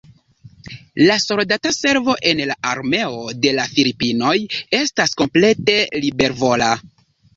La soldata servo en la Armeo de la Filipinoj estas komplete libervola.